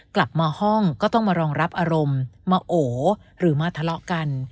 กลับมาห้องก็ต้องมารองรับอารมณ์มาโอหรือมาทะเลาะกัน